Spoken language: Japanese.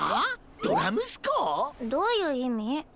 どういう意味？